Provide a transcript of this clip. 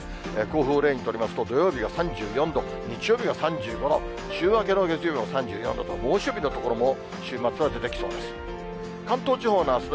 甲府を例にとりますと、土曜日が３４度、日曜日が３５度、週明けの月曜日も３４度と、猛暑日の所も週末は出てきそうです。